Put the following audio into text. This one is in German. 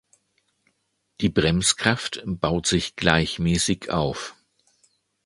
Die Bremskraft baut sich gleichmäßig auf.